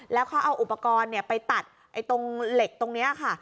แล้วเขาเอาอุปกรณ์ไปตัดตรงเหล็กตรงนี้ค่ะ